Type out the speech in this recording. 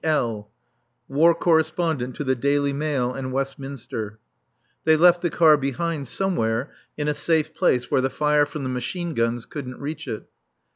L , War Correspondent to the Daily Mail and Westminster. They left the car behind somewhere in a safe place where the fire from the machine guns couldn't reach it.